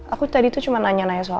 aku tadi tuh cuma nanya nanya soal